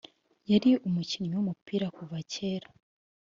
yari umukinnyi w’umupira kuva kera